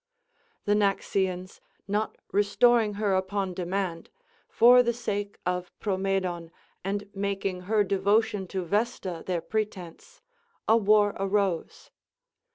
The Naxians not restoring her upon demand, for the sake of Promedon and making her devotion to Vesta their pretence, a war arose.